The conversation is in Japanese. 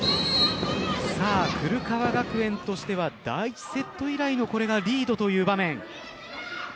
古川学園としては第１セット以来のリードという場面。